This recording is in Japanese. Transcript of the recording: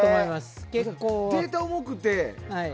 データが重くて？